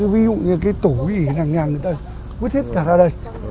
ví dụ như cái tổ gì nàng nàng người ta vứt hết cả ra đây